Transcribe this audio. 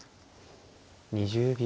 ２０秒。